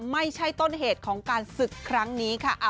ไม่ใช่ต้นเหตุของการศึกครั้งนี้ค่ะ